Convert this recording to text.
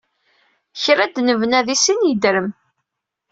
Kra d-nebna di sin yeddrem.